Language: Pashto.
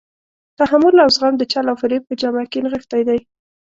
تحمل او زغم د چل او فریب په جامه کې نغښتی دی.